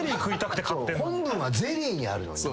本分はゼリーにあるのに。